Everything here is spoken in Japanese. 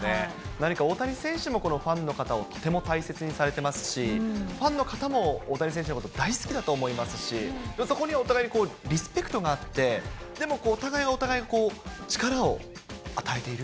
何か大谷選手もファンの方をとても大切にされてますし、ファンの方も大谷選手のこと大好きだと思いますし、そこにお互いにリスペクトがあって、でもお互いがお互いを、力を与えている。